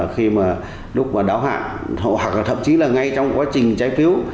khi mà lúc đáo hạn hoặc là thậm chí là ngay trong quá trình trái phiếu